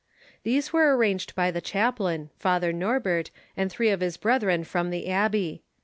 These were arranged by the chaplain, Father Norbert, and three of his brethren from the abbey.